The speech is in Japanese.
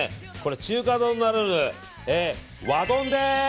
中華丼ならぬ、和丼です！